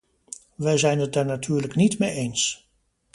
Wij zijn het daar natuurlijk niet mee eens.